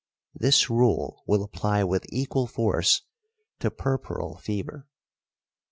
This rule will apply with equal force to puerperal fever .